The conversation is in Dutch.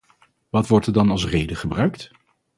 Wat wordt er dan als reden gebruikt?